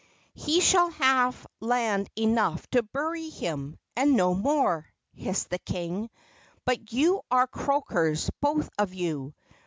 "He shall have land enough to bury him, and no more!" hissed the king. "But you are croakers, both of you.